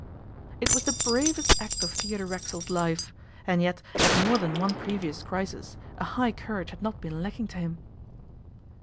It was the bravest act of Theodore Racksole's life, and yet at more than one previous crisis a high courage had not been lacking to him.